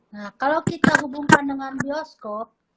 nah kalau kita hubungkan dengan bioskop